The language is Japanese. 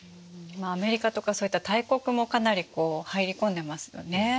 アメリカとかそういった大国もかなり入り込んでますよね。